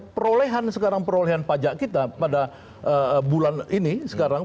perolehan sekarang perolehan pajak kita pada bulan ini sekarang